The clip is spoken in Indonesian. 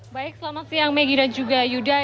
baik selamat siang maggie dan juga yuda